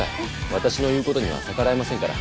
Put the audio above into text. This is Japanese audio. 私の言う事には逆らえませんから。